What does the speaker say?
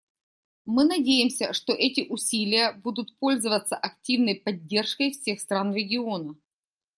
Мы надеемся, что эти усилия будут пользоваться активной поддержкой всех стран региона.